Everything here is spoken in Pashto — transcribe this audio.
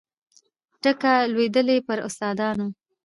ټکه لوېدلې پر استادانو